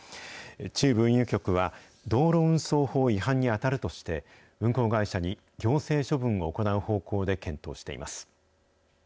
中部運輸局は、道路運送法違反に当たるとして、運行会社に行政処分を行う方向で検討しています。